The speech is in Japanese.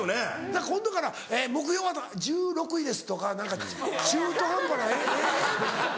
だから今度から「目標は？」。「１６位です」とか何か中途半端な「えぇ？」。